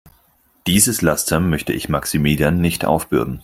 Dieses Laster möchte ich Maximilian nicht aufbürden.